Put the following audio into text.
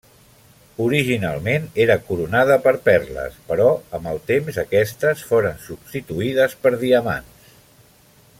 Originalment era coronada per perles però amb el temps aquestes foren substituïdes per diamants.